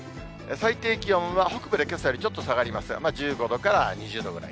最低気温は、北部でけさよりちょっと下がりますが、１５度から２０度ぐらい。